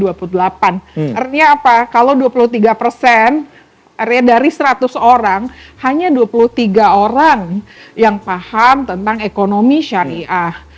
artinya apa kalau dua puluh tiga persen dari seratus orang hanya dua puluh tiga orang yang paham tentang ekonomi syariah